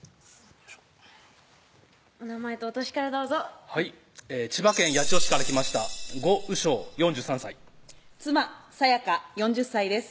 お名前とお歳からどうぞはい千葉県八千代市から来ました呉雨昇４３歳妻・咲野香４０歳です